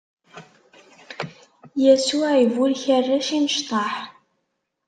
Yasuɛ iburek arrac imecṭaḥ.